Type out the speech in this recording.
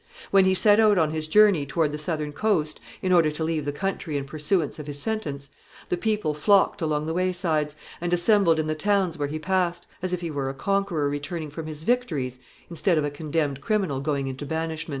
When he set out on his journey toward the southern coast, in order to leave the country in pursuance of his sentence, the people flocked along the waysides, and assembled in the towns where he passed, as if he were a conqueror returning from his victories instead of a condemned criminal going into banishment.